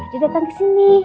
dia datang kesini